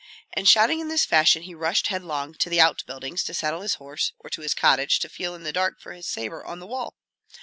And shouting in this fashion, he rushed headlong to the out buildings to saddle his horse, or to his cottage to feel in the dark for his sabre on the wall.